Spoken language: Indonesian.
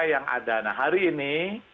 yang ada nah hari ini